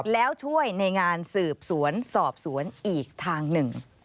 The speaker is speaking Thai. แล้วช่วยในงานสืบสวนสอบสวนอีกทางหนึ่ง